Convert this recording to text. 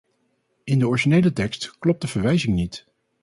In de originele tekst klopt de verwijzing niet.